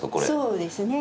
そうですね。